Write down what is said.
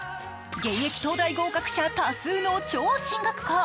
現役東大合格者多数の超進学校。